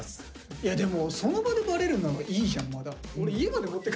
いやでもその場でバレるならいいじゃんまだ。